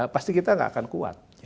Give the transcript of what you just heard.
pasti kita nggak akan kuat